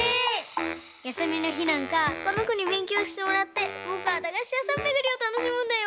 やすみのひなんかこのこにべんきょうしてもらってぼくはだがしやさんめぐりをたのしむんだよ！